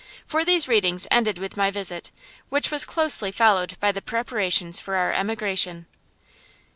For these readings ended with my visit, which was closely followed by the preparations for our emigration.